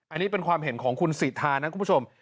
อันนี้เป็นความเห็นของคุณสิทธานะคุณผู้ชม